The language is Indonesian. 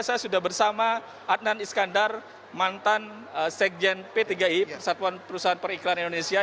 saya sudah bersama adnan iskandar mantan sekjen p tiga i persatuan perusahaan periklan indonesia